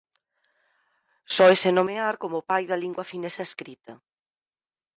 Sóese nomear como o "pai da lingua finesa escrita".